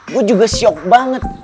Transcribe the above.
gue juga syok banget